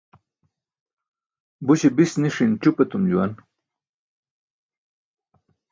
Buśe bis niṣin ćʰup etum juwan.